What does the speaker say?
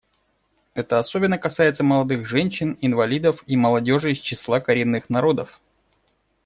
Это особенно касается молодых женщин, инвалидов и молодежи из числа коренных народов.